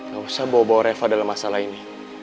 gak usah bawa bawa reva dalam masalah ini